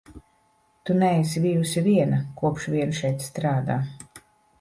Tu neesi bijusi viena, kopš vien šeit strādā.